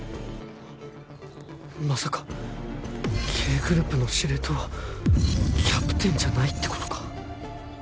まさかＫグループの司令塔はキャプテンじゃないって事か？